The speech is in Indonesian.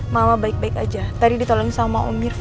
mama baik baik aja tadi ditolongin sama om irfan